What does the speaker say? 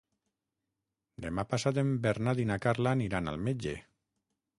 Demà passat en Bernat i na Carla aniran al metge.